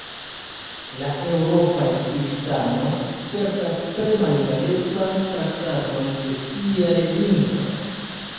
La eŭropaj civitanoj spertas tre malegalecan traktadon de siaj lingvoj.